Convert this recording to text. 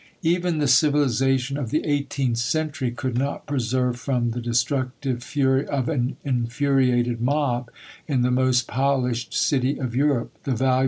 Even the civilisation of the eighteenth century could not preserve from the destructive fury of an infuriated mob, in the most polished city of Europe, the valuable MSS.